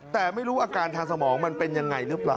แต่ไม่รู้อาการทางสมองมันเป็นยังไงหรือเปล่า